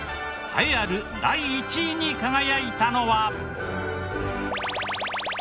栄えある第１位に輝いたのは。